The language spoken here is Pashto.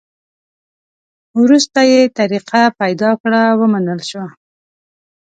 وروسته یې طریقه پیدا کړه؛ ومنل شوه.